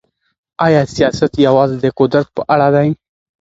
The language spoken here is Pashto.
آیا سیاست یوازې د قدرت په اړه دی؟